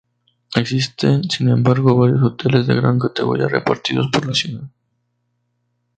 Existen sin embargo varios hoteles de gran categoría repartidos por la ciudad.